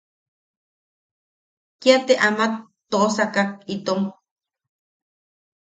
Kia te ama toʼosakak itom.